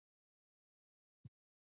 نجلۍ د کورنۍ د ملا تیر دی.